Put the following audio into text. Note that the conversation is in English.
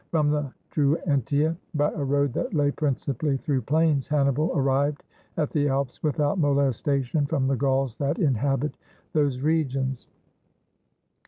From the Druentia, by a road that lay principally through plains, Hannibal arrived at the Alps without molestation from the Gauls that inhabit those regions.